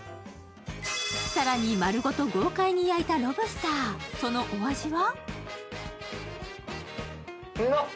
更に丸ごと豪快に焼いたロブスター、そのお味は？